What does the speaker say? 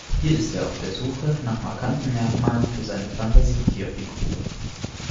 Hier ist er auf der Suche nach markanten Merkmalen für seine Fantasie-Tier-Figuren.